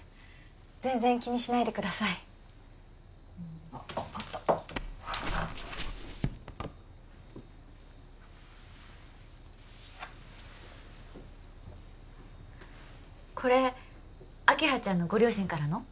全然気にしないでくださいあっあったこれ明葉ちゃんのご両親からの？